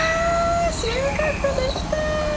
収穫できた！